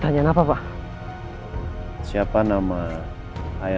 saya udah nih makasih